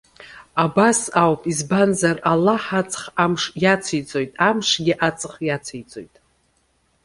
Абас ауп, избанзар Аллаҳ аҵх амш иациҵоит, амшгьы аҵх иациҵоит.